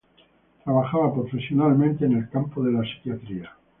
Trabajaba profesionalmente en el campo de la psiquiatría.